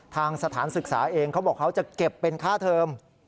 สถานศึกษาเองเขาบอกเขาจะเก็บเป็นค่าเทอม